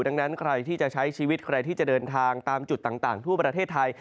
ดังนั้นใครที่จะใช้ชีวิตใครที่จะเดินทางตามจุดต่างทั่วประเทศไทย